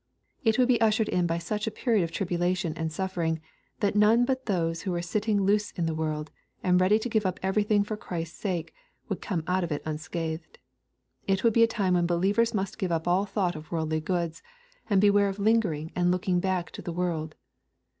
— It would be ushered in by such a period of tribulation and sufiering, that none but those who were sitting loose to the world, and ready to give up everything for Christ's sake, would come out of it unscathed. — It would be a time when believers must give up all thought of worldly goods, and be ware of hngering and looking back to the world.